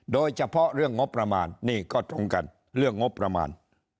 โดยเฉพาะเรื่องงบประมาณนี่ก็ตรงกันเรื่องงบประมาณ